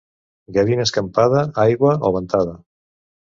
Gavina escampada, aigua o ventada.